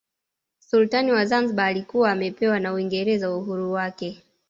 Usultani wa Zanzibar ulikuwa umepewa na Uingereza uhuru wake